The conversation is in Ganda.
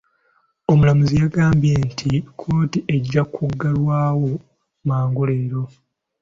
Omulamuzi yagambye nti kkooti ejja kuggalwawo mangu leero.